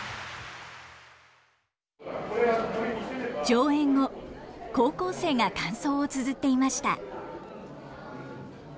上演後高校生が感想をつづっていました。